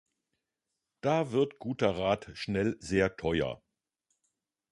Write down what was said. Da wird guter Rat schnell sehr teuer.